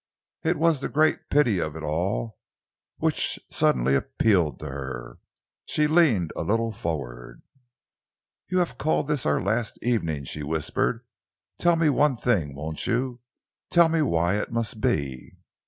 It was the great pity of it all which suddenly appealed to her. She leaned a little forward. "You have called this our last evening," she whispered. "Tell me one thing, won't you? Tell me why it must be?"